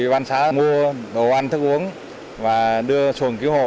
bạn xã mua đồ ăn thức uống và đưa xuồng cứu hộ